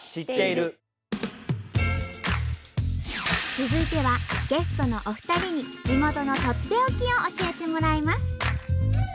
続いてはゲストのお二人に地元のとっておきを教えてもらいます。